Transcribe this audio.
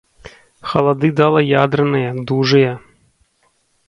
Халады дала ядраныя, дужыя.